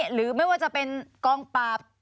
หรือไม่ว่าจะเป็นกองปราบ